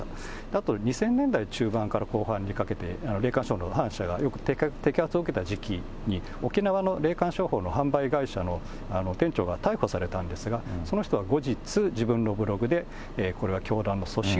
あと、２０００年代中盤から後半にかけて、霊感商法のはんしゃが摘発を受けたときに、沖縄の霊感商法の販売会社の店長が逮捕されたんですが、その人は後日、自分のブログで、これは教団の組織